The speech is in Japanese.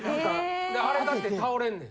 あれかって倒れんねん。